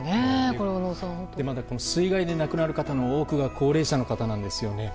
また水害で亡くなる方の多くが高齢者の方なんですよね。